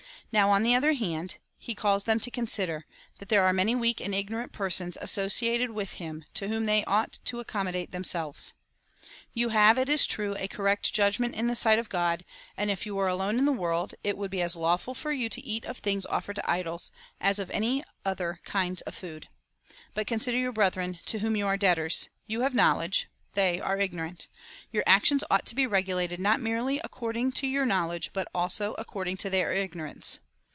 Now, on the other hand, he calls them to consider, that there are many weak and ignorant persons associated with them, to whom they onght to accommodate themselves. " You have, it is true, a correct judgment in the sight of God, and if you were alone in the world, it would be as lawful for you to eat of things offered to idols, as of any other kinds of food. But consider your brethren, to whom you are debtors. You have knowledge ; they are ignorant. Your actions ought to be regulated not merely according to your knowledge, but also according to their ignorance."